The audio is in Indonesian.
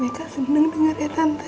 mereka seneng denger ya tante